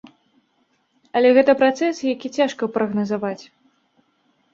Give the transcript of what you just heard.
Але гэта працэс, які цяжка прагназаваць.